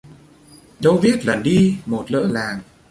Đâu biết lần đi một lỡ làng